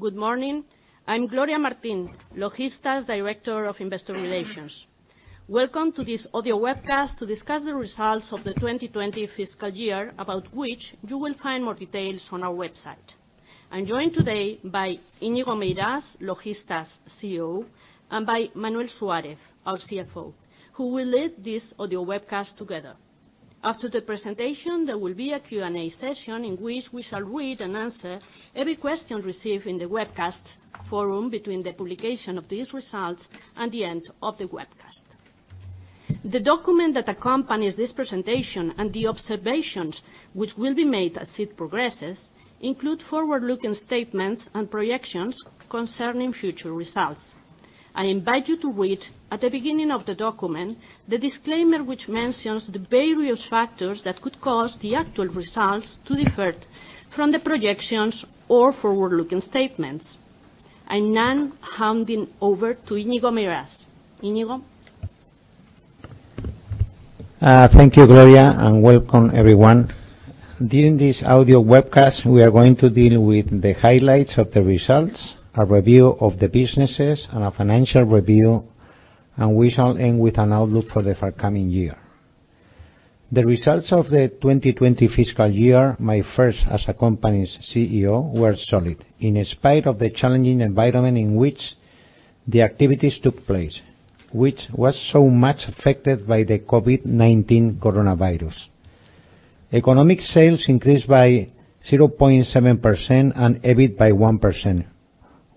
Good morning. I'm Gloria Martin, Logista's Director of Investor Relations. Welcome to this audio webcast to discuss the results of the 2020 fiscal year, about which you will find more details on our website. I'm joined today by Íñigo Meirás, Logista's CEO, and by Manuel Suárez, our CFO, who will lead this audio webcast together. After the presentation, there will be a Q&A session in which we shall read and answer every question received in the webcast forum between the publication of these results and the end of the webcast. The document that accompanies this presentation and the observations which will be made as it progresses include forward-looking statements and projections concerning future results. I invite you to read, at the beginning of the document, the disclaimer which mentions the various factors that could cause the actual results to differ from the projections or forward-looking statements. I'm now handing over to Íñigo Meirás. Íñigo. Thank you, Gloria, and welcome everyone. During this audio webcast, we are going to deal with the highlights of the results, a review of the businesses, and a financial review, and we shall end with an outlook for the forthcoming year. The results of the 2020 fiscal year, my first as the company's CEO, were solid in spite of the challenging environment in which the activities took place, which was so much affected by the COVID-19 coronavirus. Economic sales increased by 0.7% and EBIT by 1%,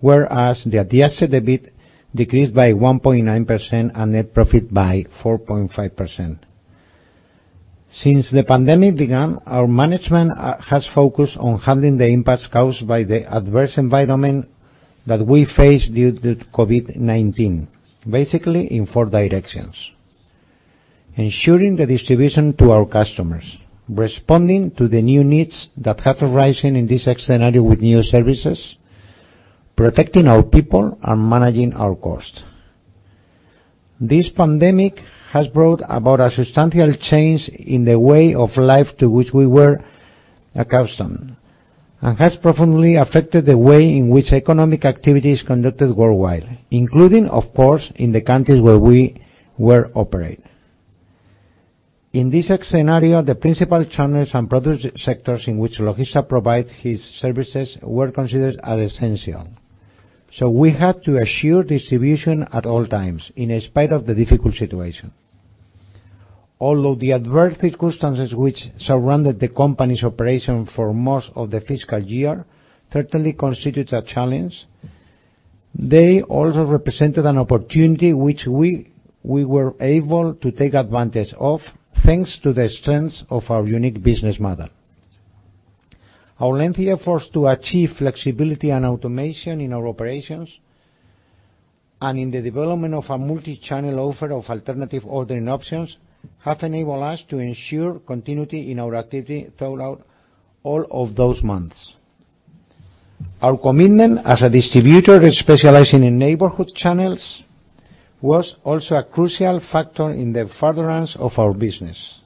whereas the adjusted EBIT decreased by 1.9% and net profit by 4.5%. Since the pandemic began, our management has focused on handling the impacts caused by the adverse environment that we faced due to COVID-19, basically in four directions: ensuring the distribution to our customers, responding to the new needs that have arisen in this scenario with new services, protecting our people, and managing our costs. This pandemic has brought about a substantial change in the way of life to which we were accustomed and has profoundly affected the way in which economic activities are conducted worldwide, including, of course, in the countries where we operate. In this scenario, the principal channels and product sectors in which Logista provides its services were considered essential, so we had to assure distribution at all times in spite of the difficult situation. Although the adverse circumstances which surrounded the company's operation for most of the fiscal year certainly constitute a challenge, they also represented an opportunity which we were able to take advantage of thanks to the strength of our unique business model. Our lengthy efforts to achieve flexibility and automation in our operations and in the development of a multi-channel offer of alternative ordering options have enabled us to ensure continuity in our activity throughout all of those months. Our commitment as a distributor specializing in neighborhood channels was also a crucial factor in the furtherance of our business.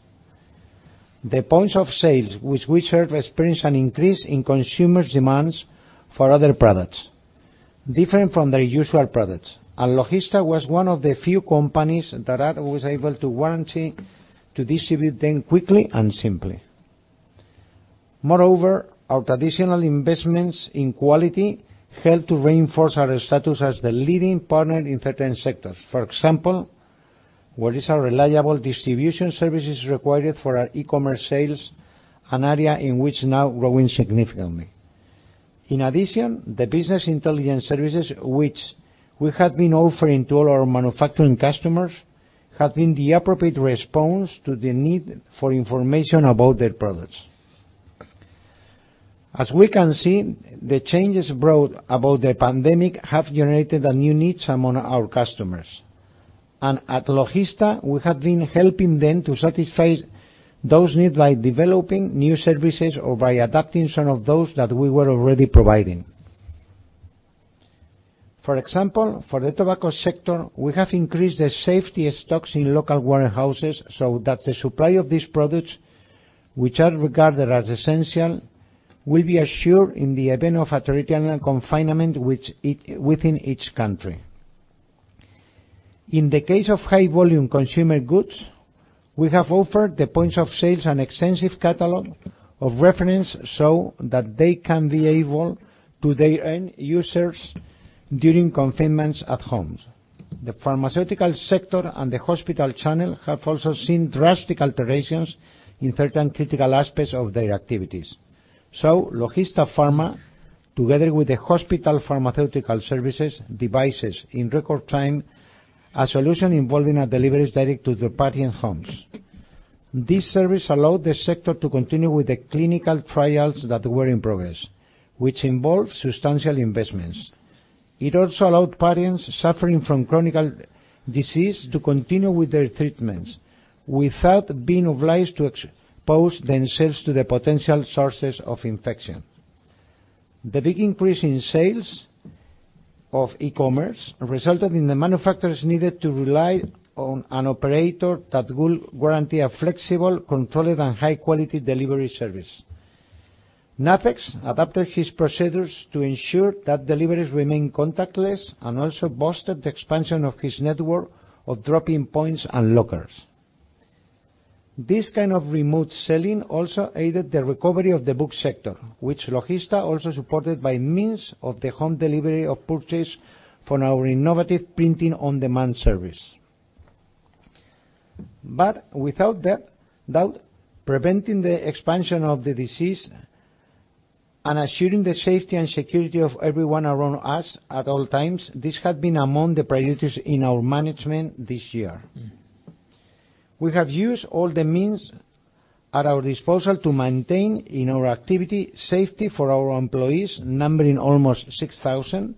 The points of sale with which we served experienced an increase in consumers' demands for other products, different from their usual products, and Logista was one of the few companies that was able to guarantee to distribute them quickly and simply. Moreover, our traditional investments in quality helped to reinforce our status as the leading partner in certain sectors, for example, where reliable distribution services are required for our e-commerce sales, an area in which we are now growing significantly. In addition, the business intelligence services which we had been offering to all our manufacturing customers have been the appropriate response to the need for information about their products. As we can see, the changes brought about by the pandemic have generated new needs among our customers, and at Logista, we have been helping them to satisfy those needs by developing new services or by adapting some of those that we were already providing. For example, for the tobacco sector, we have increased the safety stocks in local warehouses so that the supply of these products, which are regarded as essential, will be assured in the event of a territorial confinement within each country. In the case of high-volume consumer goods, we have offered the points of sale an extensive catalog of reference so that they can be able to their end users during confinements at home. The pharmaceutical sector and the hospital channel have also seen drastic alterations in certain critical aspects of their activities, so Logista Pharma, together with the hospital pharmaceutical services, devises in record time a solution involving a delivery direct to the patient's homes. This service allowed the sector to continue with the clinical trials that were in progress, which involved substantial investments. It also allowed patients suffering from chronic disease to continue with their treatments without being obliged to expose themselves to the potential sources of infection. The big increase in sales of e-commerce resulted in the manufacturers needed to rely on an operator that will guarantee a flexible, controlled, and high-quality delivery service. Nacex adapted its procedures to ensure that deliveries remain contactless and also bolstered the expansion of its network of drop-in points and lockers. This kind of remote selling also aided the recovery of the book sector, which Logista also supported by means of the home delivery of purchases for our innovative printing on-demand service. But with that, preventing the expansion of the disease and assuring the safety and security of everyone around us at all times, this had been among the priorities in our management this year. We have used all the means at our disposal to maintain our activity safely for our employees, numbering almost 6,000 partners,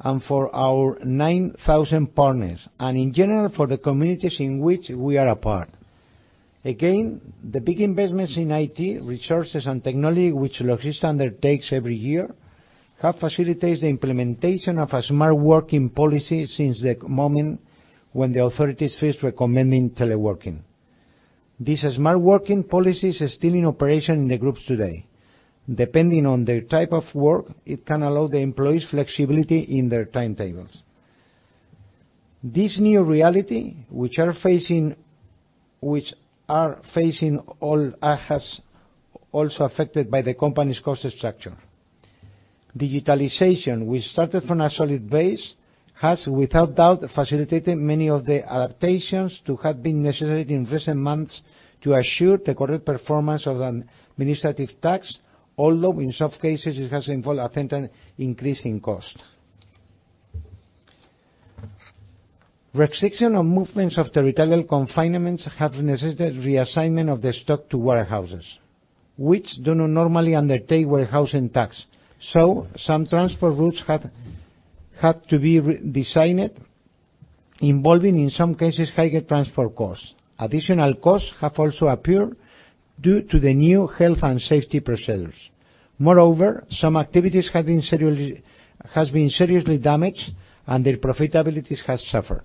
and for our 9,000 partners, and in general for the communities in which we are a part. Again, the big investments in IT resources and technology which Logista undertakes every year have facilitated the implementation of a smart working policy since the moment when the authorities first recommended teleworking. This smart working policy is still in operation in the Group today. Depending on their type of work, it can allow the employees flexibility in their timetables. This new reality which we are all facing has also affected the company's cost structure. Digitalization, which started from a solid base, has without doubt facilitated many of the adaptations that had been necessary in recent months to assure the correct performance of administrative tasks, although in some cases it has involved a tremendous increase in cost. Restriction of movements of territorial confinements has necessitated reassignment of the stock to warehouses, which do not normally undertake warehousing tasks, so some transport routes had to be redesigned, involving in some cases higher transport costs. Additional costs have also appeared due to the new health and safety procedures. Moreover, some activities have been seriously damaged and their profitability has suffered.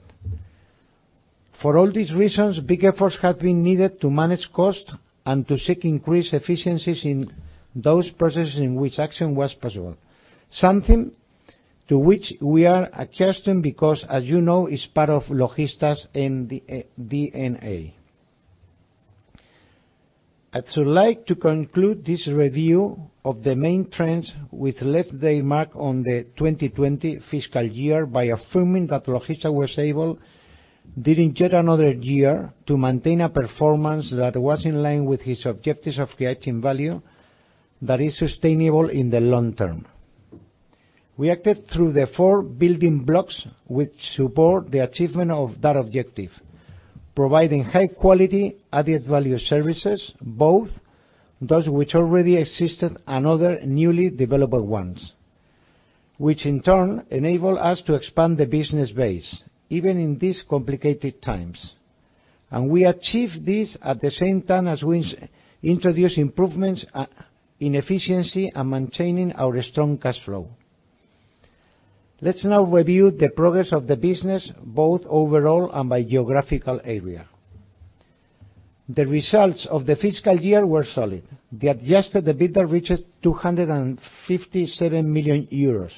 For all these reasons, big efforts have been needed to manage costs and to seek increased efficiencies in those processes in which action was possible, something to which we are accustomed because, as you know, is part of Logista's DNA. I'd like to conclude this review of the main trends with leitmotif on the 2020 fiscal year by affirming that Logista was able, during yet another year, to maintain a performance that was in line with its objectives of creating value that is sustainable in the long term. We acted through the four building blocks which support the achievement of that objective, providing high-quality added value services, both those which already existed and other newly developed ones, which in turn enabled us to expand the business base even in these complicated times. And we achieved this at the same time as we introduced improvements in efficiency and maintaining our strong cash flow. Let's now review the progress of the business both overall and by geographical area. The results of the fiscal year were solid. The adjusted EBITDA reached 257 million euros,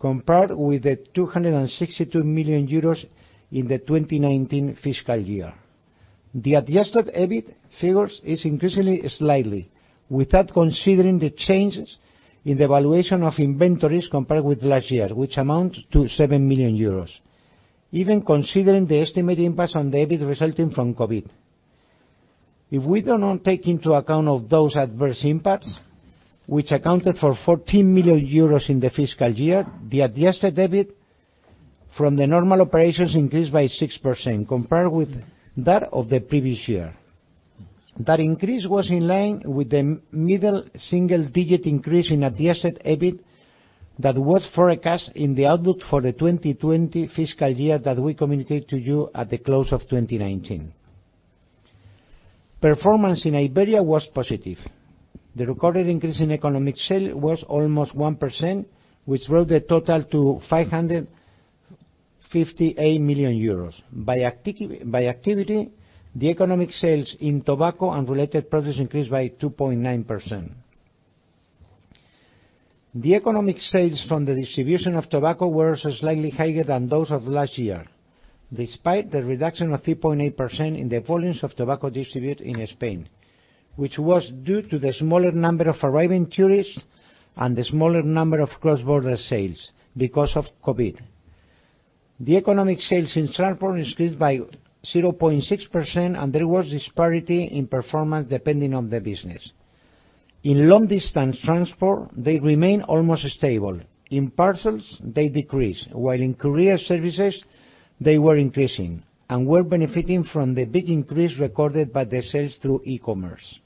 compared with the 262 million euros in the 2019 fiscal year. The adjusted EBIT figures are increasing slightly, without considering the changes in the valuation of inventories compared with last year, which amount to 7 million euros, even considering the estimated impacts on the EBIT resulting from COVID. If we do not take into account those adverse impacts, which accounted for 14 million euros in the fiscal year, the adjusted EBIT from the normal operations increased by 6% compared with that of the previous year. That increase was in line with the middle single-digit increase in adjusted EBIT that was forecast in the outlook for the 2020 fiscal year that we communicated to you at the close of 2019. Performance in Iberia was positive. The recorded increase in economic sales was almost 1%, which brought the total to 558 million euros. By activity, the economic sales in tobacco and related products increased by 2.9%. The economic sales from the distribution of tobacco were slightly higher than those of last year, despite the reduction of 3.8% in the volumes of tobacco distributed in Spain, which was due to the smaller number of arriving tourists and the smaller number of cross-border sales because of COVID. The economic sales in transport increased by 0.6%, and there was disparity in performance depending on the business. In long-distance transport, they remained almost stable. In parcels, they decreased, while in courier services, they were increasing and were benefiting from the big increase recorded by the sales through e-commerce.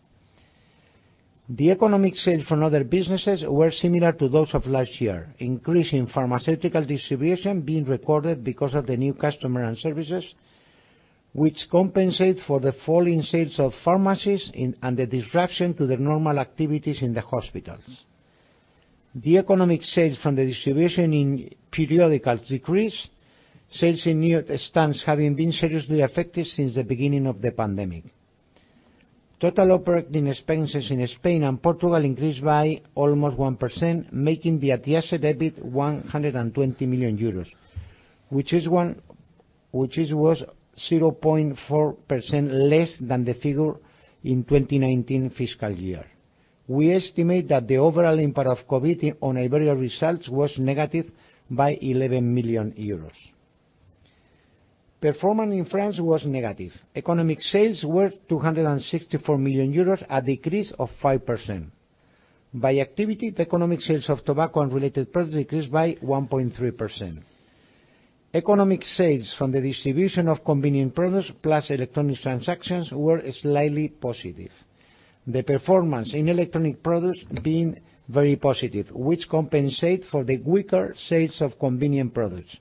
The economic sales from other businesses were similar to those of last year, increasing pharmaceutical distribution being recorded because of the new customer and services, which compensate for the fall in sales of pharmacies and the disruption to the normal activities in the hospitals. The economic sales from the distribution of periodicals decreased, sales in newsstands having been seriously affected since the beginning of the pandemic. Total operating expenses in Spain and Portugal increased by almost 1%, making the adjusted EBIT EUR 120 million, which was 0.4% less than the figure in 2019 fiscal year. We estimate that the overall impact of COVID on Iberia results was negative by 11 million euros. Performance in France was negative. Economic sales were 264 million euros, a decrease of 5%. By activity, the economic sales of tobacco and related products decreased by 1.3%. Economic sales from the distribution of convenient products plus electronic transactions were slightly positive. The performance in electronic products being very positive, which compensates for the weaker sales of convenient products,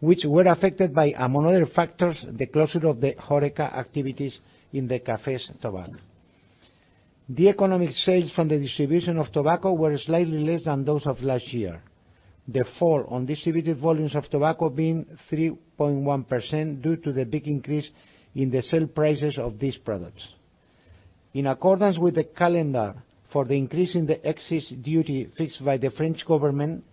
which were affected by among other factors the closure of the Horeca activities in the cafés tobacco. The economic sales from the distribution of tobacco were slightly less than those of last year, the fall on distributed volumes of tobacco being 3.1% due to the big increase in the sale prices of these products. In accordance with the calendar for the increase in the excise duty fixed by the French government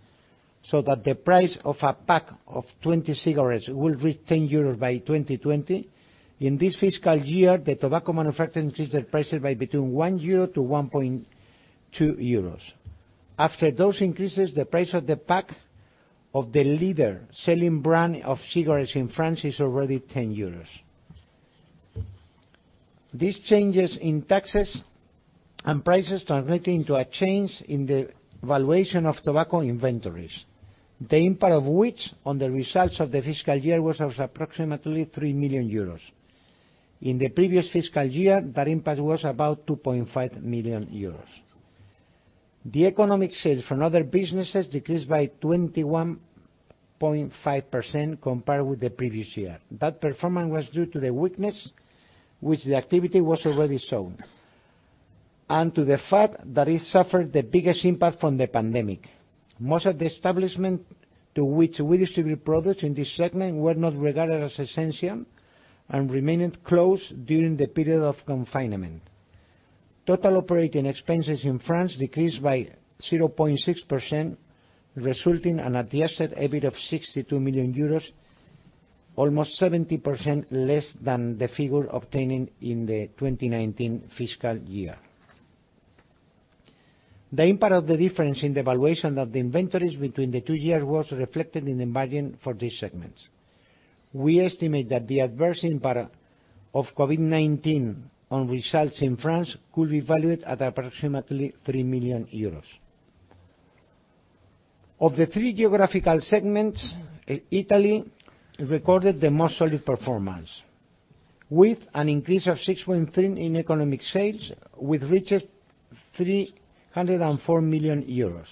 so that the price of a pack of 20 cigarettes will reach 10 euros by 2020, in this fiscal year, the tobacco manufacturers increased their prices by between 1-1.2 euro. After those increases, the price of the pack of the leader-selling brand of cigarettes in France is already 10 euros. These changes in taxes and prices translated into a change in the valuation of tobacco inventories, the impact of which on the results of the fiscal year was of approximately 3 million euros. In the previous fiscal year, that impact was about 2.5 million euros. The economic sales from other businesses decreased by 21.5% compared with the previous year. That performance was due to the weakness which the activity was already showing and to the fact that it suffered the biggest impact from the pandemic. Most of the establishments to which we distribute products in this segment were not regarded as essential and remained closed during the period of confinement. Total operating expenses in France decreased by 0.6%, resulting in an adjusted EBIT of 62 million euros, almost 70% less than the figure obtained in the 2019 fiscal year. The impact of the difference in the valuation of the inventories between the two years was reflected in the valuation for these segments. We estimate that the adverse impact of COVID-19 on results in France could be valued at approximately 3 million euros. Of the three geographical segments, Italy recorded the most solid performance, with an increase of 6.3% in economic sales, which reached 304 million euros.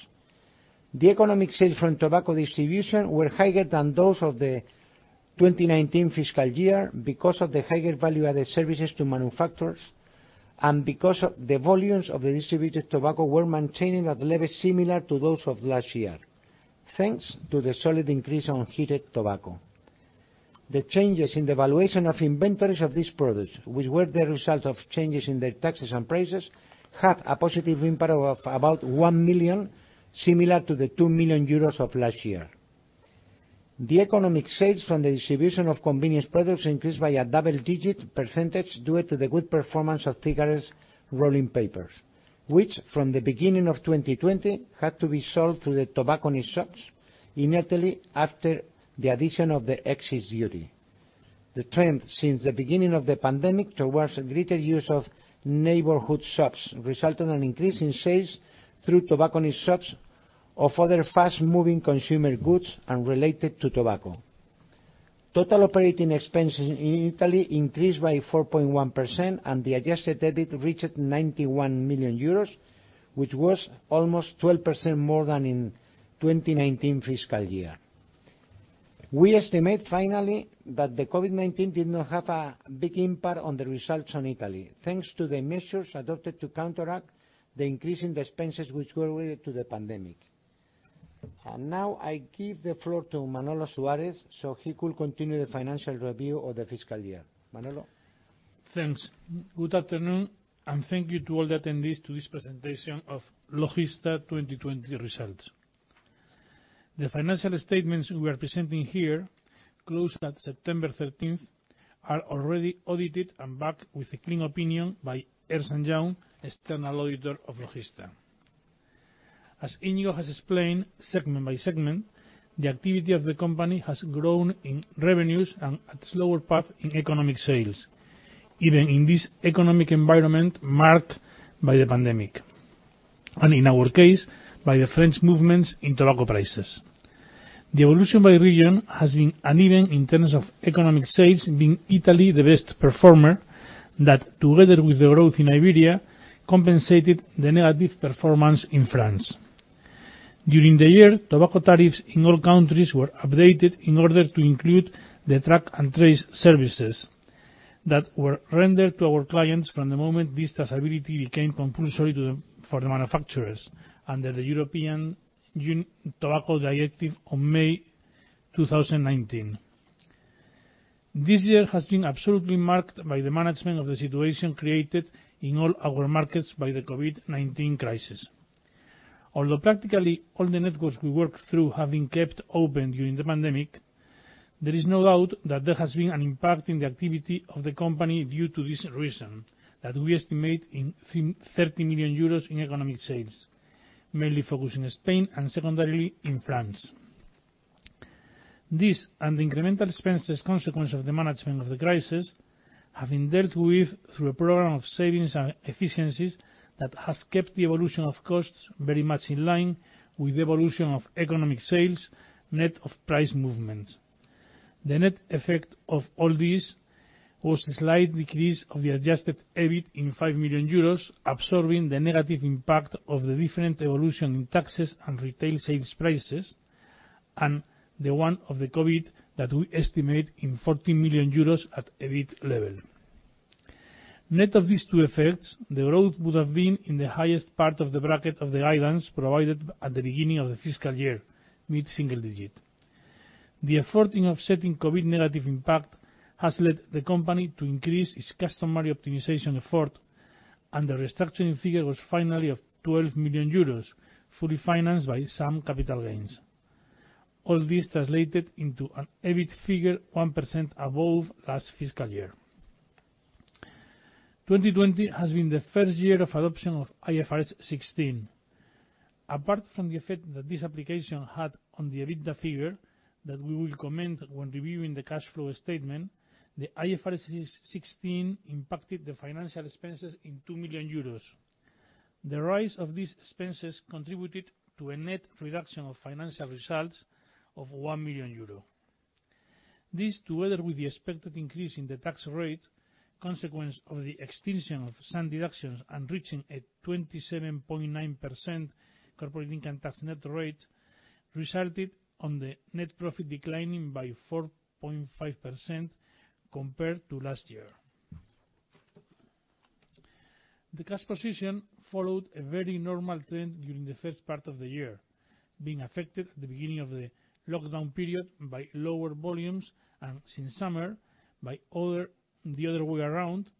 The economic sales from tobacco distribution were higher than those of the 2019 fiscal year because of the higher value-added services to manufacturers and because the volumes of the distributed tobacco were maintaining at levels similar to those of last year, thanks to the solid increase on heated tobacco. The changes in the valuation of inventories of these products, which were the result of changes in their taxes and prices, had a positive impact of about 1 million, similar to the 2 million euros of last year. The economic sales from the distribution of convenience products increased by a double-digit percentage due to the good performance of cigarette rolling papers, which from the beginning of 2020 had to be sold through the tobacconist shops in Italy after the addition of the excise duty. The trend since the beginning of the pandemic towards greater use of neighborhood shops resulted in an increase in sales through tobacconist shops of other fast-moving consumer goods and related to tobacco. Total operating expenses in Italy increased by 4.1%, and the Adjusted EBIT reached 91 million euros, which was almost 12% more than in the 2019 fiscal year. We estimate, finally, that the COVID-19 did not have a big impact on the results in Italy, thanks to the measures adopted to counteract the increase in expenses which were related to the pandemic. Now I give the floor to Manolo Suárez so he could continue the financial review of the fiscal year. Manolo. Thanks. Good afternoon, and thank you to all the attendees to this presentation of Logista 2020 results. The financial statements we are presenting here, closed at September 13th, are already audited and backed with a clean opinion by Ernst & Young, external auditor of Logista. As Íñigo has explained, segment by segment, the activity of the company has grown in revenues and at a slower path in economic sales, even in this economic environment marked by the pandemic, and in our case, by the French movements in tobacco prices. The evolution by region has been uneven in terms of economic sales, being Italy the best performer that, together with the growth in Iberia, compensated the negative performance in France. During the year, tobacco tariffs in all countries were updated in order to include the track and trace services that were rendered to our clients from the moment this traceability became compulsory for the manufacturers under the European Tobacco Directive of May 2019. This year has been absolutely marked by the management of the situation created in all our markets by the COVID-19 crisis. Although practically all the networks we worked through have been kept open during the pandemic, there is no doubt that there has been an impact in the activity of the company due to this reason that we estimate in 30 million euros in economic sales, mainly focusing in Spain and secondarily in France. This, and the incremental expenses consequence of the management of the crisis, have been dealt with through a program of savings and efficiencies that has kept the evolution of costs very much in line with the evolution of economic sales net of price movements. The net effect of all this was a slight decrease of the adjusted EBIT in 5 million euros, absorbing the negative impact of the different evolution in taxes and retail sales prices, and the one of the COVID that we estimate in 14 million euros at EBIT level. Net of these two effects, the growth would have been in the highest part of the bracket of the guidance provided at the beginning of the fiscal year, mid-single digit. The effort in offsetting COVID negative impact has led the company to increase its customary optimization effort, and the restructuring figure was finally 12 million euros, fully financed by some capital gains. All this translated into an EBIT figure 1% above last fiscal year. 2020 has been the first year of adoption of IFRS 16. Apart from the effect that this application had on the EBITDA figure that we will comment on when reviewing the cash flow statement, the IFRS 16 impacted the financial expenses in 2 million euros. The rise of these expenses contributed to a net reduction of financial results of 1 million euro. This, together with the expected increase in the tax rate, consequence of the extension of some deductions and reaching a 27.9% corporate income tax net rate, resulted in the net profit declining by 4.5% compared to last year. The cash position followed a very normal trend during the first part of the year, being affected at the beginning of the lockdown period by lower volumes and, since summer, by the other way around,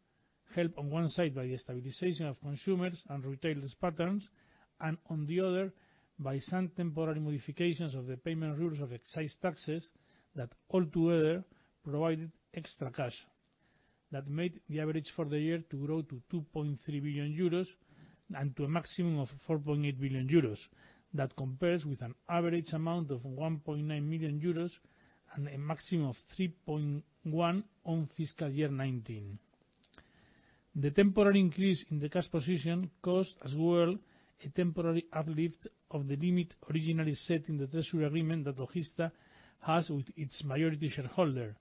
helped on one side by the stabilization of consumers and retailers' patterns, and on the other by some temporary modifications of the payment rules of excise taxes that altogether provided extra cash that made the average for the year to grow to 2.3 billion euros and to a maximum of 4.8 billion euros that compares with an average amount of 1.9 billion euros and a maximum of 3.1 billion on fiscal year 2019. The temporary increase in the cash position caused, as well, a temporary uplift of the limit originally set in the treasury agreement that Logista has with its majority shareholder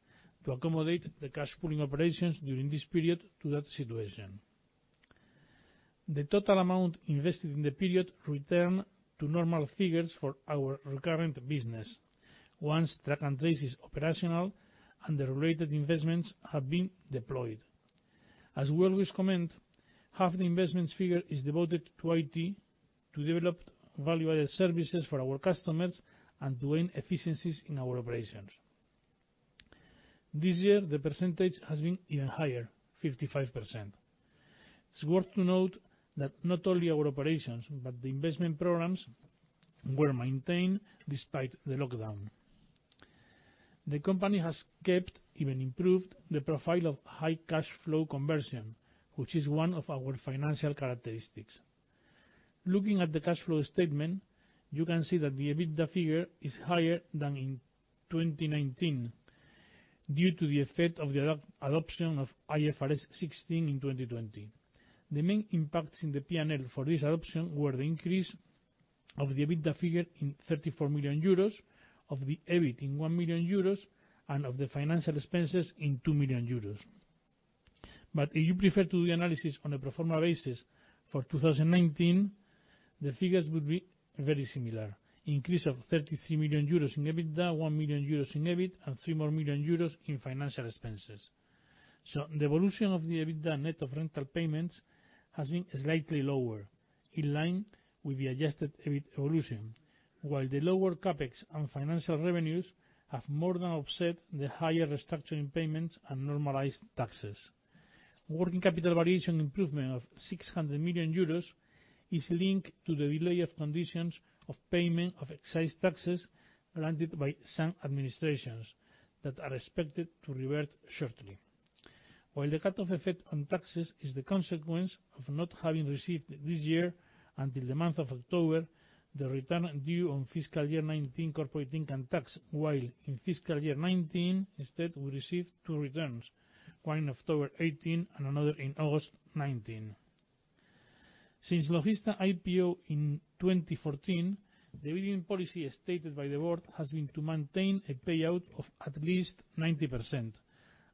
to accommodate the cash pooling operations during this period to that situation. The total amount invested in the period returned to normal figures for our recurrent business once track and trace is operational and the related investments have been deployed. As well as comment, half the investment figure is devoted to IT to develop value-added services for our customers and to gain efficiencies in our operations. This year, the percentage has been even higher, 55%. It's worth to note that not only our operations but the investment programs were maintained despite the lockdown. The company has kept, even improved, the profile of high cash flow conversion, which is one of our financial characteristics. Looking at the cash flow statement, you can see that the EBITDA figure is higher than in 2019 due to the effect of the adoption of IFRS 16 in 2020. The main impacts in the P&L for this adoption were the increase of the EBITDA figure in 34 million euros, of the EBIT in one million euros, and of the financial expenses in two million euros. But if you prefer to do the analysis on a pro forma basis for 2019, the figures would be very similar: increase of 33 million euros in EBITDA, one million euros in EBIT, and three more million euros in financial expenses. So the evolution of the EBITDA net of rental payments has been slightly lower, in line with the adjusted EBIT evolution, while the lower CapEx and financial revenues have more than offset the higher restructuring payments and normalized taxes. Working capital valuation improvement of 600 million euros is linked to the delay of conditions of payment of excise taxes granted by some administrations that are expected to revert shortly. While the cut-off effect on taxes is the consequence of not having received this year until the month of October, the return due on fiscal year 2019 corporate income tax, while in fiscal year 2019, instead, we received two returns: one in October 2018 and another in August 2019. Since Logista IPO in 2014, the dividend policy stated by the board has been to maintain a payout of at least 90%,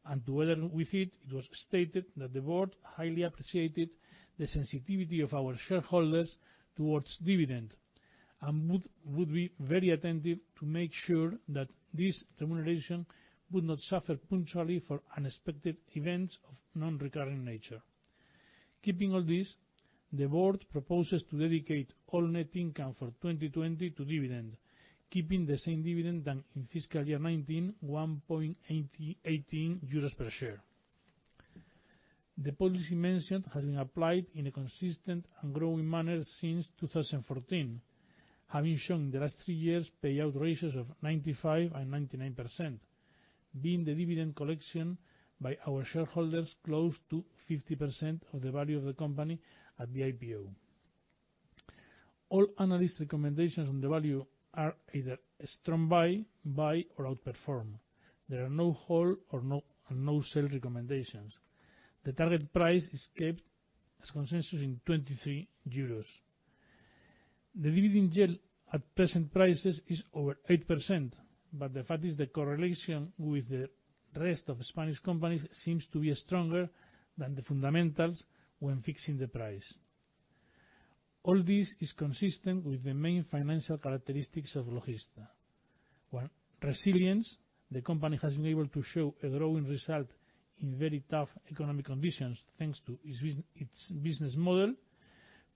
and together with it, it was stated that the board highly appreciated the sensitivity of our shareholders towards dividend and would be very attentive to make sure that this remuneration would not suffer punctually for unexpected events of non-recurring nature. Keeping all this, the board proposes to dedicate all net income for 2020 to dividend, keeping the same dividend than in fiscal year 2019, 1.18 euros per share. The policy mentioned has been applied in a consistent and growing manner since 2014, having shown in the last three years payout ratios of 95% and 99%, being the dividend collection by our shareholders close to 50% of the value of the company at the IPO. All analyst recommendations on the value are either a strong buy, buy, or outperform. There are no hold or no sell recommendations. The target price is kept, as consensus, in 23 euros. The dividend yield at present prices is over 8%, but the fact is the correlation with the rest of the Spanish companies seems to be stronger than the fundamentals when fixing the price. All this is consistent with the main financial characteristics of Logista. Resilience: the company has been able to show a growing result in very tough economic conditions thanks to its business model.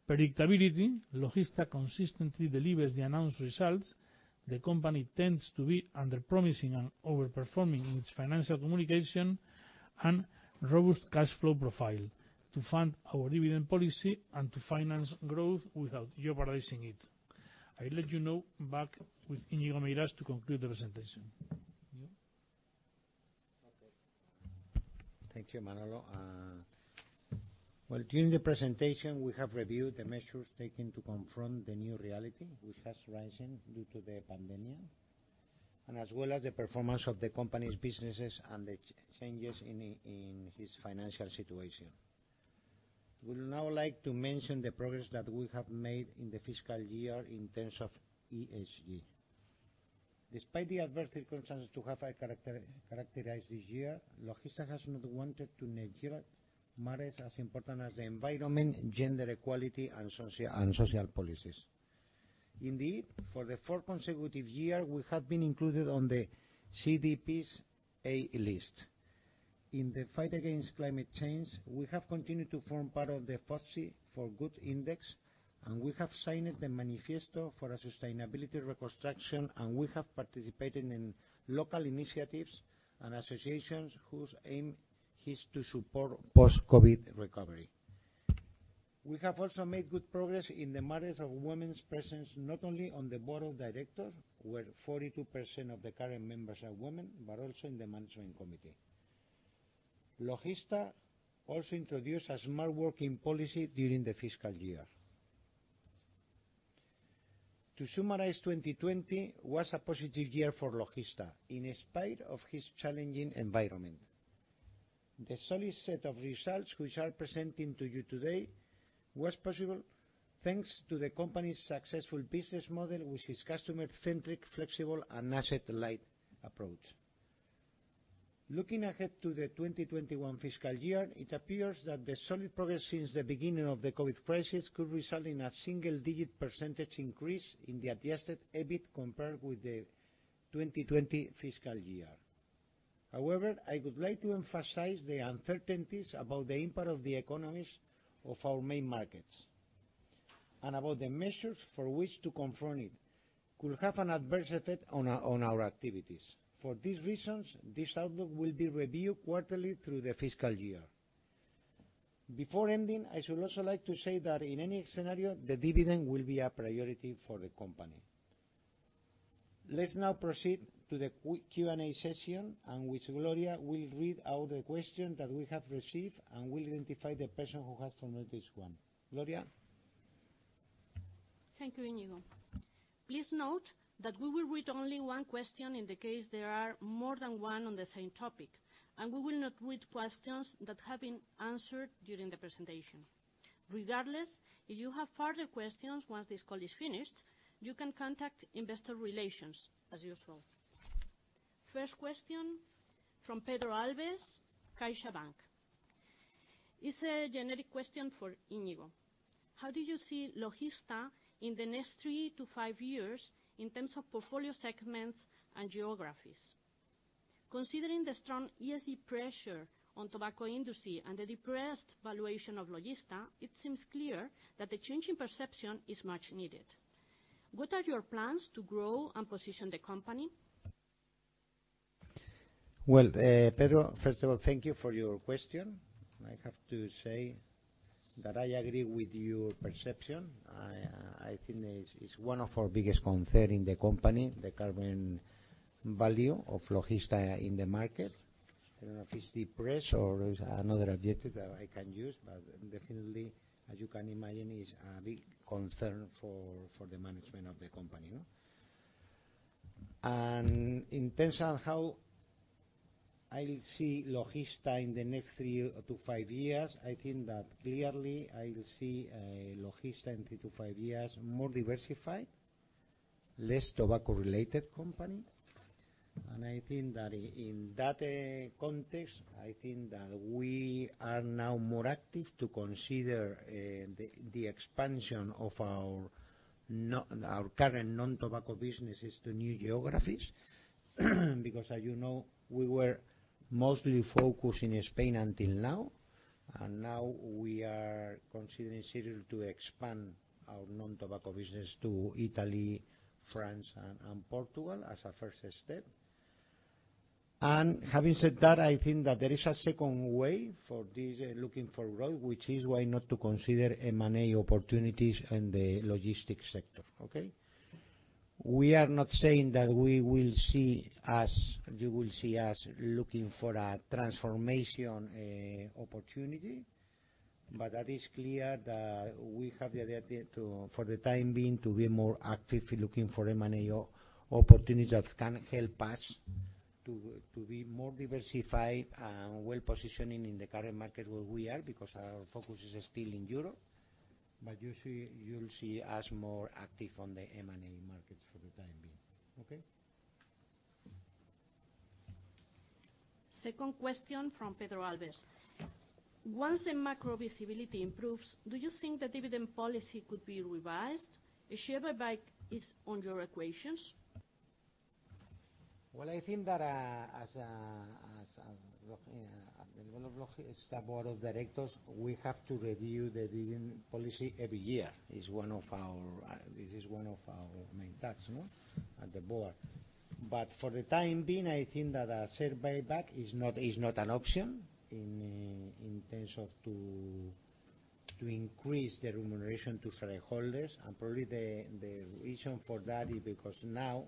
Predictability: Logista consistently delivers the announced results. The company tends to be under-promising and overperforming in its financial communication and robust cash flow profile to fund our dividend policy and to finance growth without jeopardizing it. I'll let you know back with Íñigo Meirás to conclude the presentation. Thank you, Manolo. During the presentation, we have reviewed the measures taken to confront the new reality, which has risen due to the pandemic, and as well as the performance of the company's businesses and the changes in its financial situation. We would now like to mention the progress that we have made in the fiscal year in terms of ESG. Despite the adverse circumstances to have characterized this year, Logista has not wanted to neglect matters as important as the environment, gender equality, and social policies. Indeed, for the fourth consecutive year, we have been included on the CDP's A-list. In the fight against climate change, we have continued to form part of the FTSE4Good Index, and we have signed the Manifesto for Sustainability Reconstruction, and we have participated in local initiatives and associations whose aim is to support post-COVID recovery. We have also made good progress in the matters of women's presence not only on the board of directors, where 42% of the current members are women, but also in the management committee. Logista also introduced a smart working policy during the fiscal year. To summarize, 2020 was a positive year for Logista in spite of its challenging environment. The solid set of results which I'm presenting to you today was possible thanks to the company's successful business model with its customer-centric, flexible, and asset-light approach. Looking ahead to the 2021 fiscal year, it appears that the solid progress since the beginning of the COVID crisis could result in a single-digit % increase in the adjusted EBIT compared with the 2020 fiscal year. However, I would like to emphasize the uncertainties about the impact of the economies of our main markets and about the measures for which to confront it could have an adverse effect on our activities. For these reasons, this outlook will be reviewed quarterly through the fiscal year. Before ending, I would also like to say that in any scenario, the dividend will be a priority for the company. Let's now proceed to the Q&A session, in which Gloria will read out the question that we have received and will identify the person who has formulated this one. Gloria. Thank you, Íñigo. Please note that we will read only one question in the case there are more than one on the same topic, and we will not read questions that have been answered during the presentation. Regardless, if you have further questions once this call is finished, you can contact Investor Relations, as usual. First question from Pedro Alves, CaixaBank. It's a generic question for Íñigo. How do you see Logista in the next three to five years in terms of portfolio segments and geographies? Considering the strong ESG pressure on the tobacco industry and the depressed valuation of Logista, it seems clear that the change in perception is much needed. What are your plans to grow and position the company? Well, Pedro, first of all, thank you for your question. I have to say that I agree with your perception. I think it's one of our biggest concerns in the company, the current value of Logista in the market. I don't know if it's depressed or it's another adjective that I can use, but definitely, as you can imagine, it's a big concern for the management of the company. And in terms of how I'll see Logista in the next three to five years, I think that clearly I'll see Logista in three to five years more diversified, less tobacco-related company. And I think that in that context, I think that we are now more active to consider the expansion of our current non-tobacco businesses to new geographies because, as you know, we were mostly focused in Spain until now, and now we are considering still to expand our non-tobacco business to Italy, France, and Portugal as a first step. Having said that, I think that there is a second way for looking for growth, which is why not to consider M&A opportunities in the logistics sector, okay? We are not saying that we will see us, you will see us looking for a transformation opportunity, but that is clear that we have the ability for the time being to be more active looking for M&A opportunities that can help us to be more diversified and well-positioned in the current market where we are because our focus is still in Europe, but you'll see us more active on the M&A markets for the time being, okay? Second question from Pedro Alves. Once the macro visibility improves, do you think the dividend policy could be revised? If so, what about is on your equations? I think that as the board of directors, we have to review the dividend policy every year. This is one of our main tasks at the board. But for the time being, I think that a share buyback is not an option in terms of to increase the remuneration to shareholders, and probably the reason for that is because now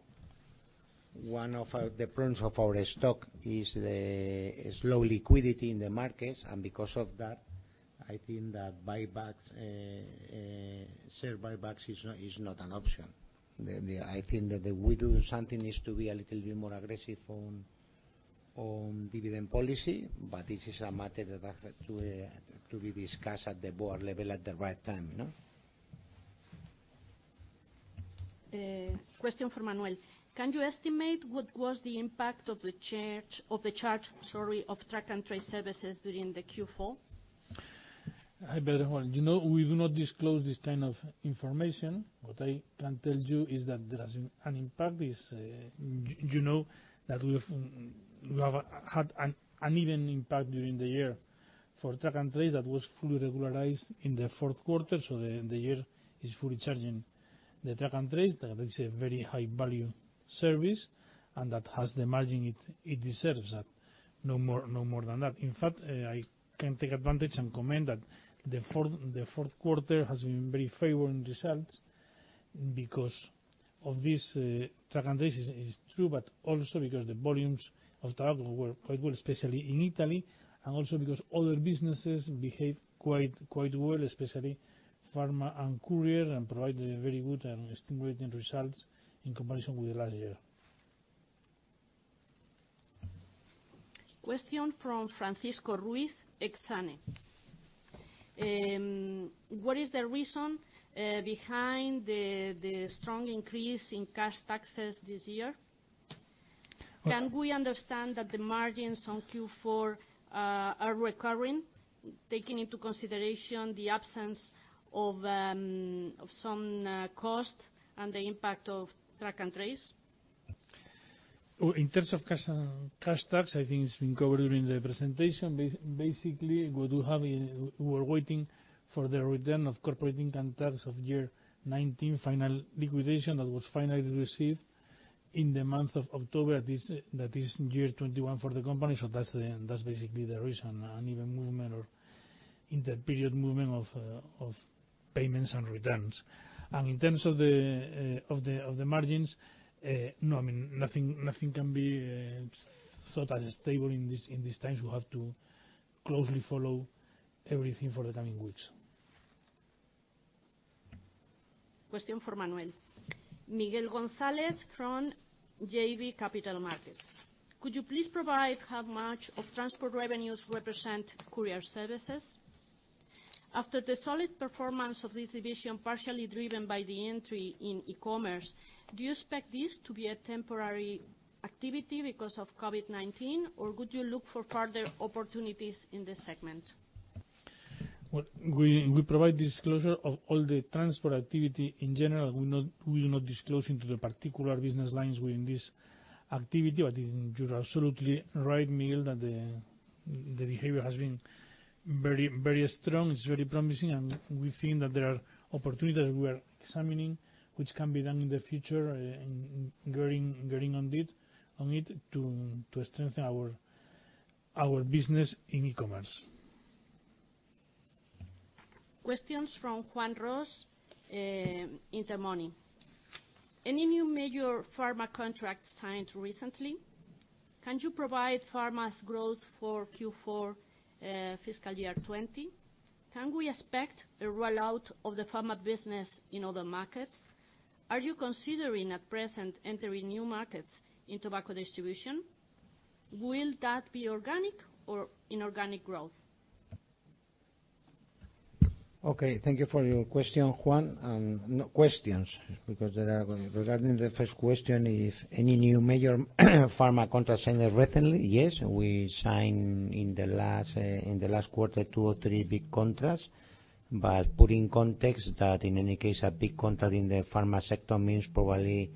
one of the problems of our stock is the slow liquidity in the markets, and because of that, I think that buybacks, share buybacks is not an option. I think that we do something is to be a little bit more aggressive on dividend policy, but this is a matter that has to be discussed at the board level at the right time. Question from Manuel. Can you estimate what was the impact of the charge, sorry, of track and trace services during the Q4? We do not disclose this kind of information, but I can tell you that there has been an impact. You know that we have had an even impact during the year. For track and trace, that was fully regularized in the fourth quarter, so the year is fully charging. The track and trace, that is a very high-value service, and that has the margin it deserves, no more than that. In fact, I can take advantage and comment that the fourth quarter has been very favorable in results because of this track and trace. It's true, but also because the volumes of tobacco were quite good, especially in Italy, and also because other businesses behaved quite well, especially pharma and courier, and provided very good and stimulating results in comparison with the last year. Question from Francisco Ruiz, Exane. What is the reason behind the strong increase in cash taxes this year? Can we understand that the margins on Q4 are recurring, taking into consideration the absence of some cost and the impact of track and trace? In terms of cash tax, I think it's been covered during the presentation. Basically, what we were waiting for the return of corporate income tax of year 2019 final liquidation that was finally received in the month of October, that is year 2021 for the company, so that's basically the reason, an even movement or inter-period movement of payments and returns. In terms of the margins, no, I mean, nothing can be thought as stable in these times. We have to closely follow everything for the coming weeks. Question from Manuel. Miguel Gonzalez from JB Capital Markets. Could you please provide how much of transport revenues represent courier services? After the solid performance of this division, partially driven by the entry in e-commerce, do you expect this to be a temporary activity because of COVID-19, or would you look for further opportunities in this segment? We provide disclosure of all the transport activity in general. We do not disclose into the particular business lines within this activity, but you're absolutely right, Miguel, that the behavior has been very strong. It's very promising, and we think that there are opportunities we are examining, which can be done in the future, getting on it to strengthen our business in e-commerce. Questions from Juan Ros at Intermoney. Any new major pharma contracts signed recently? Can you provide pharma's growth for Q4 fiscal year 2020? Can we expect a rollout of the pharma business in other markets? Are you considering at present entering new markets in tobacco distribution? Will that be organic or inorganic growth? Okay. Thank you for your question, Juan. Questions, because regarding the first question, if any new major pharma contracts signed recently, yes, we signed in the last quarter two or three big contracts, but putting context that in any case, a big contract in the pharma sector means probably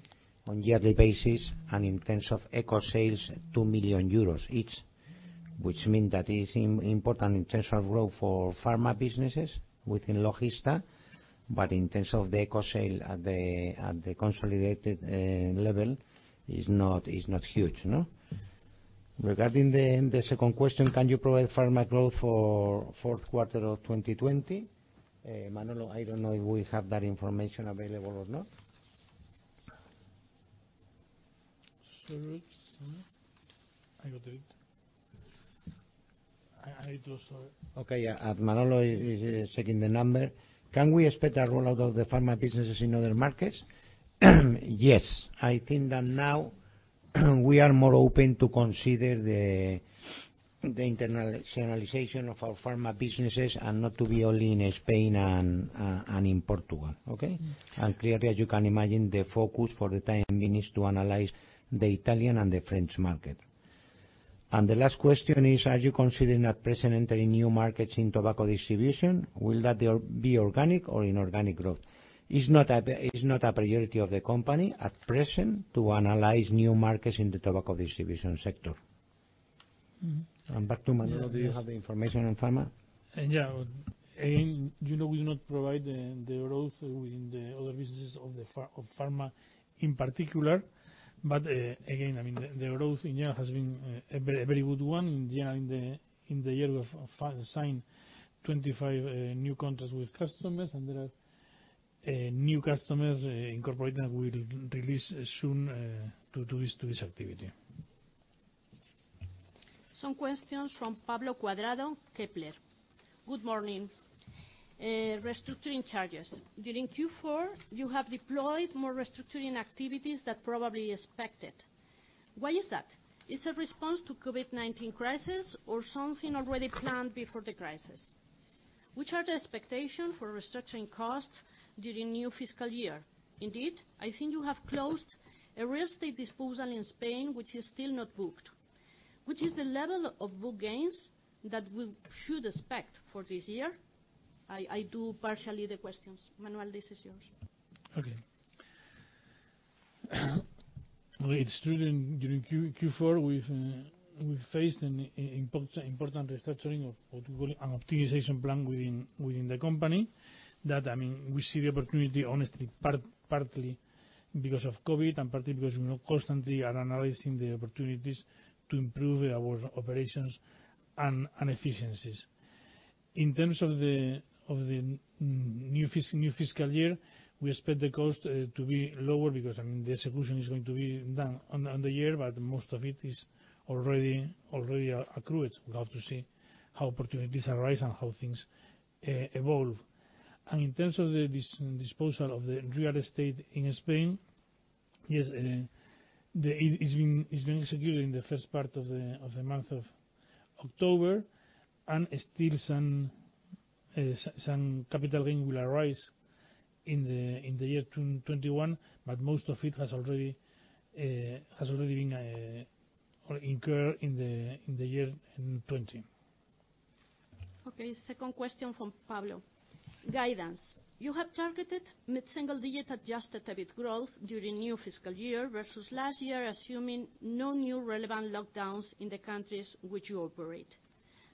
on a yearly basis and in terms of economic sales, 2 million euros each, which means that it's important in terms of growth for pharma businesses within Logista, but in terms of the economic sales at the consolidated level, it's not huge. Regarding the second question, can you provide pharma growth for the fourth quarter of 2020? Manolo, I don't know if we have that information available or not. Okay. Manolo is checking the number. Can we expect a rollout of the pharma businesses in other markets? Yes. I think that now we are more open to consider the internationalization of our pharma businesses and not to be only in Spain and in Portugal, okay, and clearly, as you can imagine, the focus for the time being is to analyze the Italian and the French market, and the last question is, are you considering at present entering new markets in tobacco distribution? Will that be organic or inorganic growth? It's not a priority of the company at present to analyze new markets in the tobacco distribution sector, and back to Manolo, do you have the information on pharma? Yeah. Again, we do not provide the growth within the other businesses of pharma in particular, but again, I mean, the growth in general has been a very good one. In general, in the year, we have signed 25 new contracts with customers, and there are new customers incorporated that we will release soon to this activity. Some questions from Pablo Cuadrado, Kepler. Good morning. Restructuring charges. During Q4, you have deployed more restructuring activities than probably expected. Why is that? Is it a response to the COVID-19 crisis or something already planned before the crisis? Which are the expectations for restructuring costs during the new fiscal year? Indeed, I think you have closed a real estate disposal in Spain which is still not booked. Which is the level of book gains that we should expect for this year? I do partially the questions. Manuel, this is yours. Okay. During Q4, we've faced an important restructuring of an optimization plan within the company that, I mean, we see the opportunity honestly partly because of COVID and partly because we are constantly analyzing the opportunities to improve our operations and efficiencies. In terms of the new fiscal year, we expect the cost to be lower because, I mean, the execution is going to be done on the year, but most of it is already accrued. We have to see how opportunities arise and how things evolve. And in terms of the disposal of the real estate in Spain, yes, it's been executed in the first part of the month of October, and still some capital gain will arise in the year 2021, but most of it has already been incurred in the year 2020. Okay. Second question from Pablo. Guidance. You have targeted mid-single digit Adjusted EBIT growth during the new fiscal year versus last year, assuming no new relevant lockdowns in the countries which you operate.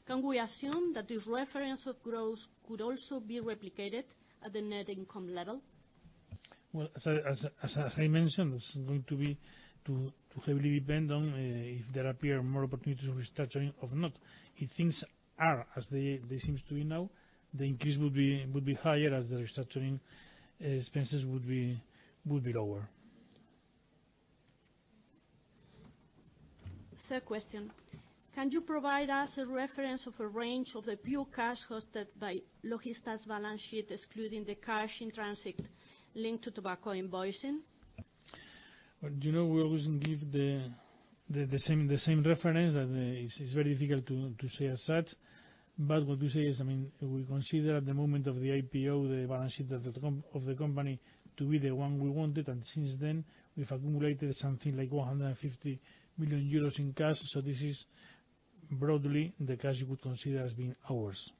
Can we assume that this reference of growth could also be replicated at the net income level? As I mentioned, it's going to be too heavily depend on if there appear more opportunities for restructuring or not. If things are as they seem to be now, the increase would be higher as the restructuring expenses would be lower. Third question. Can you provide us a reference of a range of the pure cash hosted by Logista's balance sheet, excluding the cash in transit linked to tobacco invoicing? We always give the same reference. It's very difficult to say as such, but what we say is, I mean, we consider at the moment of the IPO, the balance sheet of the company to be the one we wanted, and since then, we've accumulated something like 150 million euros in cash, so this is broadly the cash you could consider as being ours.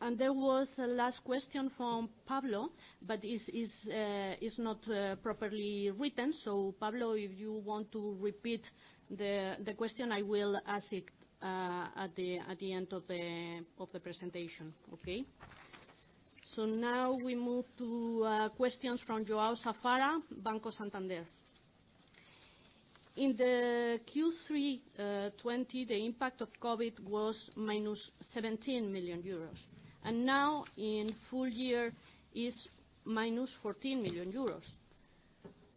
And there was a last question from Pablo, but it's not properly written, so Pablo, if you want to repeat the question, I will ask it at the end of the presentation, okay? So now we move to questions from João Safara, Banco Santander. In the Q3 2020, the impact of COVID was 17 million euros, and now in full year, it's 14 million euros.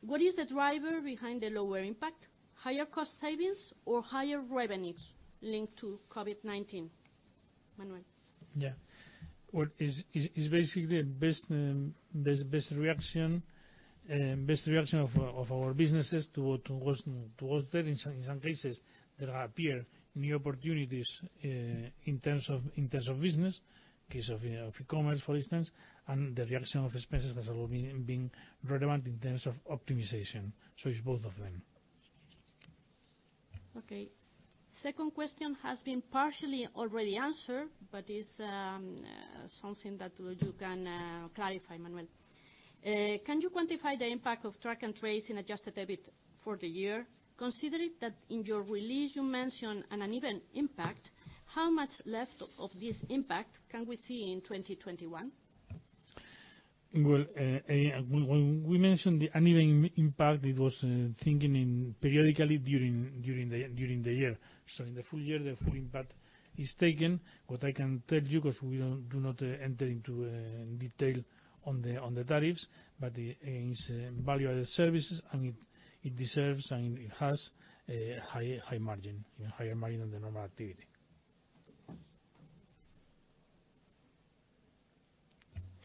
What is the driver behind the lower impact? Higher cost savings or higher revenues linked to COVID-19? Manuel. Yeah. It's basically the best reaction of our businesses towards that. In some cases, there appear new opportunities in terms of business, in case of E-commerce, for instance, and the reaction of expenses has already been relevant in terms of optimization. So it's both of them. Okay. Second question has been partially already answered, but it's something that you can clarify, Manuel. Can you quantify the impact of track and trace in Adjusted EBIT for the year? Considering that in your release, you mentioned an uneven impact, how much left of this impact can we see in 2021? Well, when we mentioned the uneven impact, it was thinking periodically during the year. So in the full year, the full impact is taken. What I can tell you, because we do not enter into detail on the tariffs, but it's value-added services, and it deserves and it has a high margin, even higher margin than the normal activity.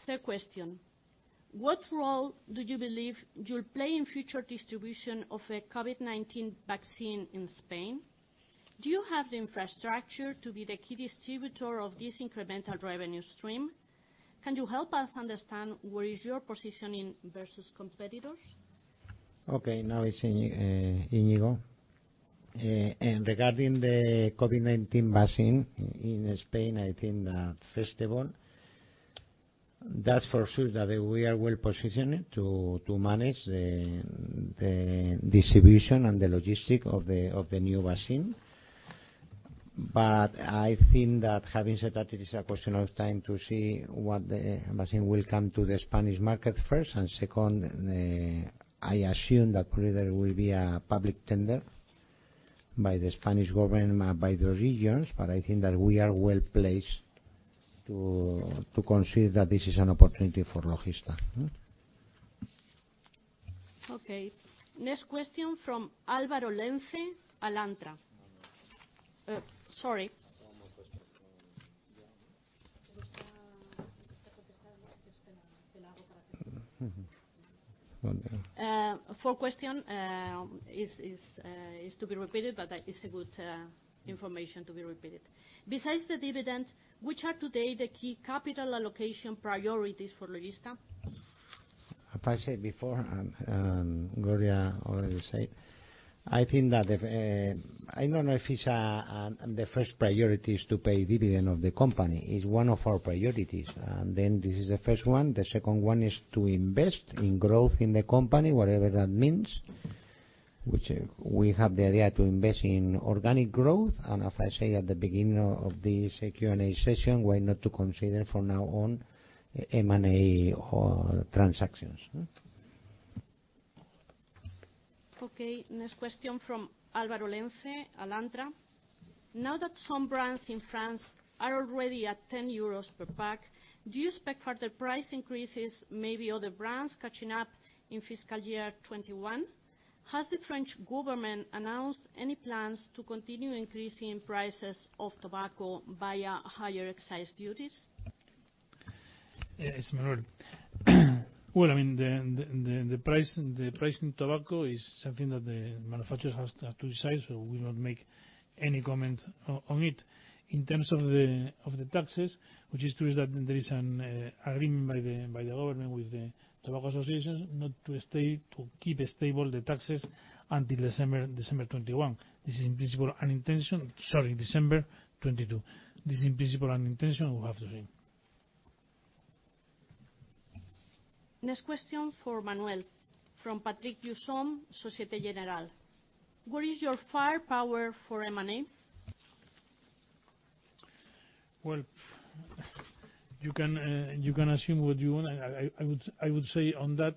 Third question. What role do you believe you'll play in future distribution of a COVID-19 vaccine in Spain? Do you have the infrastructure to be the key distributor of this incremental revenue stream? Can you help us understand where is your positioning versus competitors? Okay. Now it's Íñigo. Regarding the COVID-19 vaccine in Spain, I think that, first of all, that's for sure that we are well positioned to manage the distribution and the logistics of the new vaccine, but I think that having said that, it is a question of time to see what the vaccine will come to the Spanish market first. And second, I assume that probably there will be a public tender by the Spanish government, by the regions, but I think that we are well placed to consider that this is an opportunity for Logista. Okay. Next question from Álvaro Lenze, Alantra. Sorry. Fourth question is to be repeated, but it's good information to be repeated. Besides the dividend, which are today the key capital allocation priorities for Logista? As I said before, Gloria already said, I think that I don't know if the first priority is to pay dividend of the company. It's one of our priorities, and then this is the first one. The second one is to invest in growth in the company, whatever that means, which we have the idea to invest in organic growth. And as I said at the beginning of this Q&A session, why not to consider from now on M&A transactions? Okay. Next question from Álvaro Lenze, Alantra. Now that some brands in France are already at 10 euros per pack, do you expect further price increases, maybe other brands catching up in fiscal year 2021? Has the French government announced any plans to continue increasing prices of tobacco via higher excise duties? Yes, Manuel. Well, I mean, the price in tobacco is something that the manufacturers have to decide, so we will not make any comment on it. In terms of the taxes, which is true that there is an agreement by the government with the tobacco associations not to keep stable the taxes until December 2021. This is in principle an intention sorry, December 2022. This is in principle an intention we have to see. Next question for Manuel from Patrick Jousseaume, Société Générale. What is your firepower for M&A? Well, you can assume what you want. I would say on that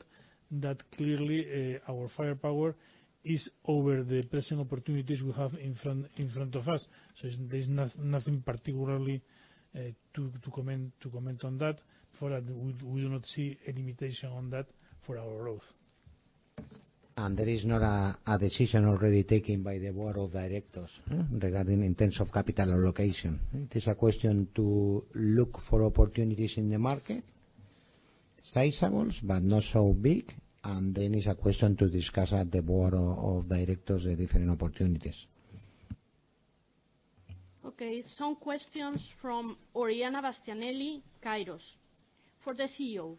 that clearly our firepower is over the present opportunities we have in front of us. So there's nothing particularly to comment on that for that. We do not see any limitation on that for our growth. And there is not a decision already taken by the board of directors regarding in terms of capital allocation. It is a question to look for opportunities in the market, sizables, but not so big, and then it's a question to discuss at the board of directors the different opportunities. Okay. Some questions from Oriana Bastianelli, Kairos. For the CEO,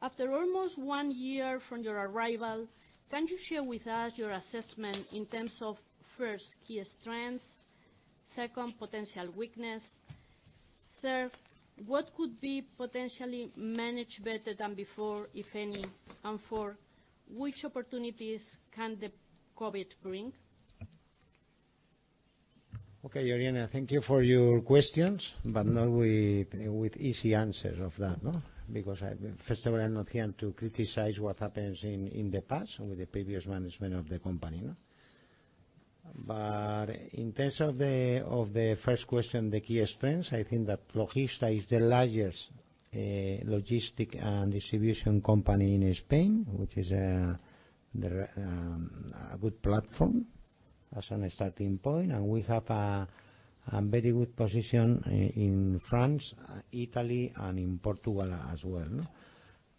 after almost one year from your arrival, can you share with us your assessment in terms of first, key strengths; second, potential weaknesses; third, what could be potentially managed better than before, if any; and fourth, which opportunities can the COVID bring? Okay, Oriana, thank you for your questions, but not with easy answers of that because, first of all, I'm not here to criticize what happens in the past with the previous management of the company. In terms of the first question, the key strengths, I think that Logista is the largest logistics and distribution company in Spain, which is a good platform as a starting point, and we have a very good position in France, Italy, and in Portugal as well.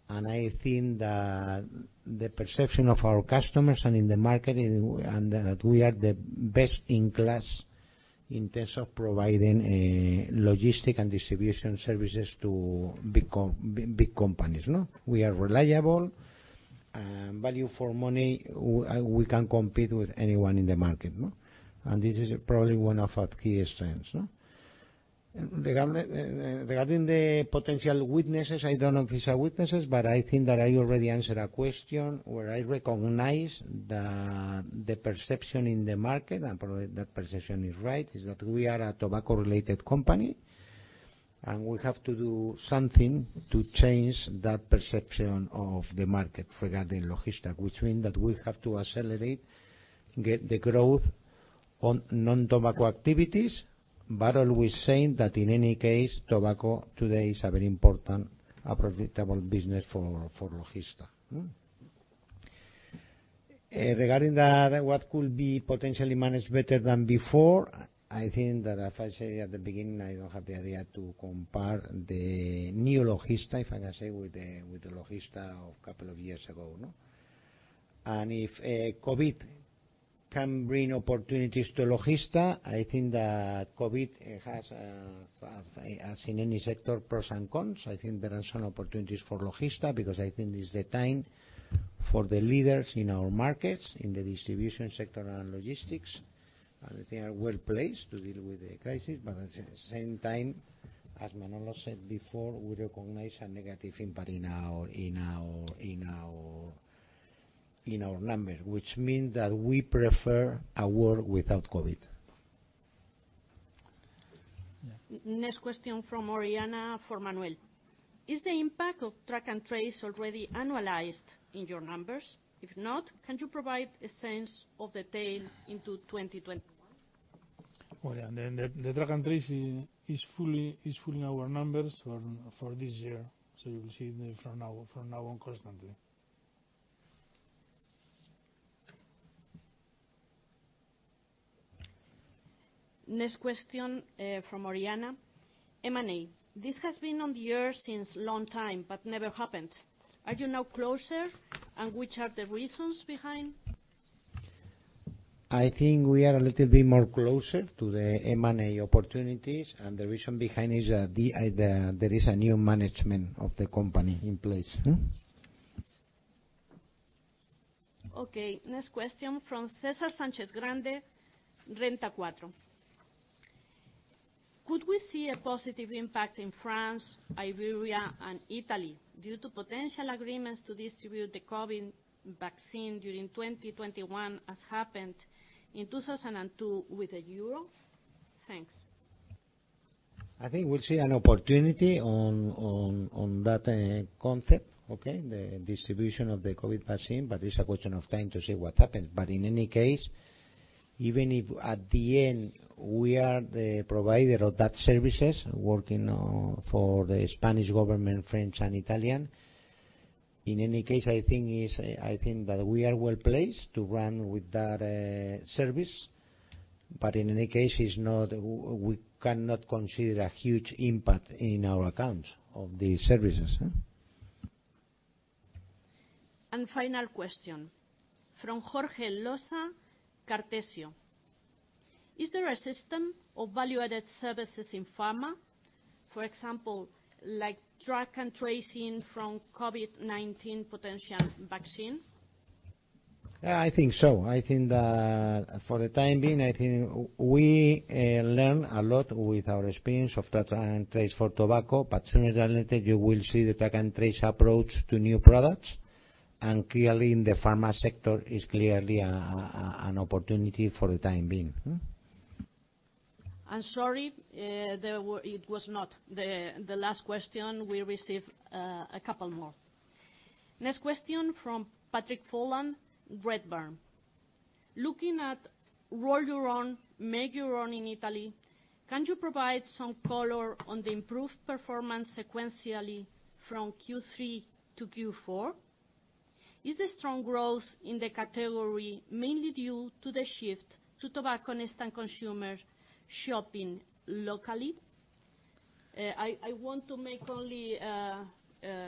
I think that the perception of our customers and in the market that we are the best in class in terms of providing logistics and distribution services to big companies. We are reliable, value for money, we can compete with anyone in the market, and this is probably one of our key strengths. Regarding the potential weaknesses, I don't know if it's our weaknesses, but I think that I already answered a question where I recognize the perception in the market, and probably that perception is right, is that we are a tobacco-related company, and we have to do something to change that perception of the market regarding Logista, which means that we have to accelerate the growth on non-tobacco activities, but always saying that in any case, tobacco today is a very important, profitable business for Logista. Regarding what could be potentially managed better than before, I think that, as I said at the beginning, I don't have the idea to compare the new Logista, if I can say, with the Logista of a couple of years ago, and if COVID can bring opportunities to Logista, I think that COVID has, as in any sector, pros and cons. I think there are some opportunities for Logista because I think this is the time for the leaders in our markets, in the distribution sector and logistics, and I think they are well placed to deal with the crisis, but at the same time, as Manolo said before, we recognize a negative impact in our numbers, which means that we prefer a world without COVID. Next question from Oriana for Manuel. Is the impact of track and trace already annualized in your numbers? If not, can you provide a sense of the tail into 2021? The track and trace is full in our numbers for this year, so you will see from now on constantly. Next question from Oriana. M&A. This has been in the air since a long time but never happened. Are you now closer, and which are the reas ons be hind? I think we are a little bit moe closer to the M&A opportunities, and the reason behind is that there is a new management of the company in place. Okay. Next question from César Sánchez-Grande, Renta 4. Could we see a positive impact in France, Iberia, and Italy due to potential agreements to distribute the COVID vaccine during 2021 as happened in 2002 with the euro? Thanks. I think we'll see an opportunity on that concept, okay, the distribution of the COVID vaccine, but it's a question of time to see what happens. But in any case, even if at the end we are the provider of that services working for the Spanish government, French, and Italian, in any case, I think that we are well placed to run with that service, but in any case, we cannot consider a huge impact in our accounts of the services. Final question from Jorge Losa, Cartesio. Is there a system of value-added services in pharma, for example, like track and trace for COVID-19 potential vaccine? I think so. I think that for the time being, I think we learn a lot with our experience of track and trace for tobacco, but sooner or later you will see the track and trace approach to new products, and clearly in the pharma sector is clearly an opportunity for the time being. Sorry, it was not the last question. We received a couple more. Next question from Patrick Folan, Redburn. Looking at roll your own, make your own in Italy, can you provide some color on the improved performance sequentially from Q3 to Q4? Is the strong growth in the category mainly due to the shift to tobacco next-generation consumers shopping locally? I want to make only a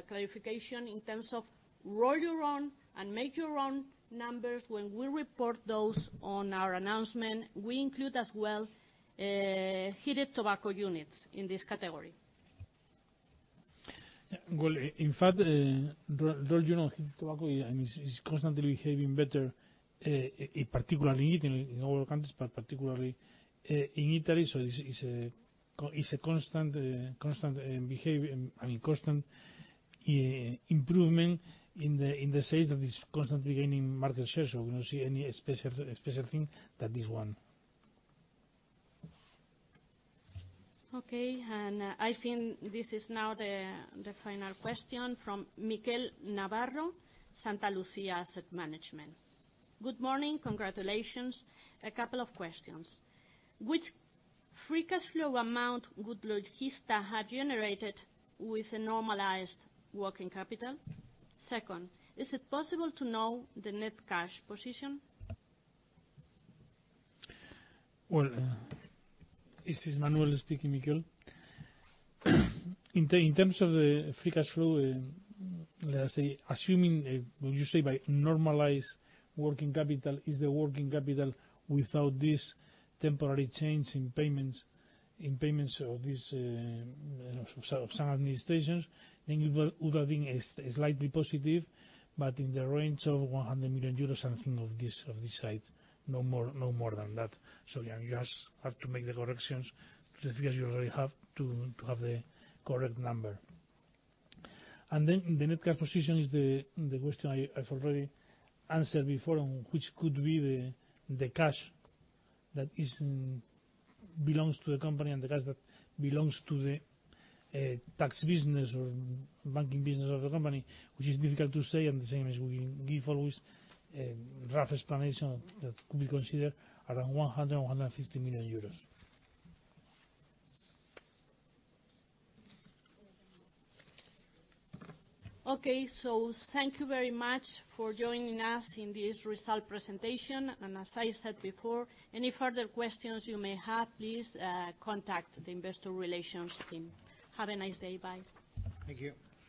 clarification in terms of roll your own and make your own numbers when we report those on our announcement. We include as well heated tobacco units in this category. Well, in fact, roll your own heated tobacco, I mean, is constantly behaving better, particularly in our countries, but particularly in Italy. So it's a constant improvement in the sense that it's constantly gaining market share, so we don't see any special thing that this one. Okay. And I think this is now the final question from Miguel Navarro, Santa Lucía Asset Management. Good morning. Congratulations. A couple of questions. Which free cash flow amount would Logista have generated with a normalized working capital? Second, is it possible to know the net cash position? Well, this is Manuel speaking, Miguel. In terms of the free cash flow, let us say, assuming what you say by normalized working capital is the working capital without this temporary change in payments of some administrations, then it would have been slightly positive, but in the range of 100 million euros, I think, of this side, no more than that, so you just have to make the corrections to the figures you already have to have the correct number. And then the net cash position is the question I've already answered before, which could be the cash that belongs to the company and the cash that belongs to the tax business or banking business of the company, which is difficult to say, and the same as we give always rough explanation that could be considered around 100 million-150 million euros. Okay, so thank you very much for joining us in this results presentation. As I said before, any further questions you may have, please contact the investor relations team. Have a nice day. Bye. Thank you.